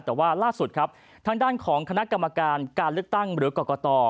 แต่ว่าล่าสุดครับทางด้านของคณะกรรมการการเลือกตั้งหรือกรกต